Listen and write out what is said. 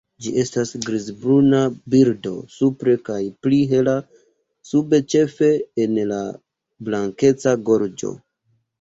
Ĝi estas grizbruna birdo supre kaj pli hela sube ĉefe en la blankeca gorĝo.